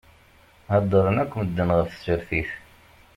Heddṛen akk medden ɣef tsertit.